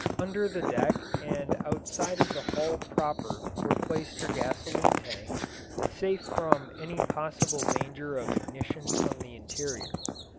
Under the deck and outside of the hull proper were placed her gasoline tanks, safe from any possible danger of ignition from the interior.